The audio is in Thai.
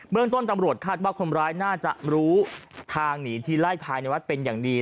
เมืองต้นตำรวจคาดว่าคนร้ายน่าจะรู้ทางหนีทีไล่ภายในวัดเป็นอย่างดี